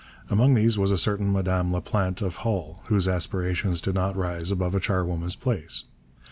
Among these was a certain Madame Laplante of Hull, whose aspirations did not rise above a charwoman's place.